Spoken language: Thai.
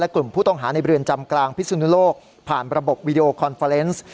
กลุ่มผู้ต้องหาในเรือนจำกลางพิสุนุโลกผ่านระบบวีดีโอคอนเฟอร์เนส์